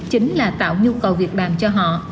chính là tạo nhu cầu việc bàn cho họ